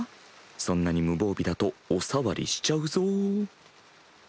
そんなに無防備だとお触りしちゃうぞ。